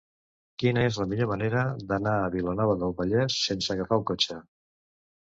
Quina és la millor manera d'anar a Vilanova del Vallès sense agafar el cotxe?